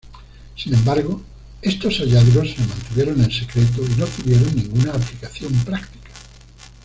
Sin embargo estos hallazgos se mantuvieron en secreto y no tuvieron ninguna aplicación práctica.